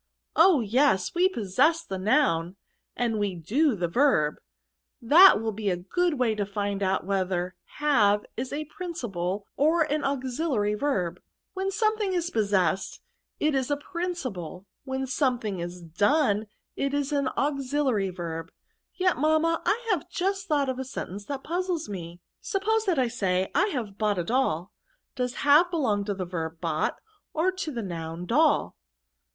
Oh I yes, we possess the noun» and we do the verb ; that will be a good way to find out whether have is a principal or an auxiliary it VERBS. 25$ verb. When something is possessed it is a principal^ when something is done it is an auxiliary verb. Yet, mamma^ I have just thought of a sentence that puzzles me. Sup pose that I say 9 I have bought a doll; does have belong to the verb bought, or to the noun doll?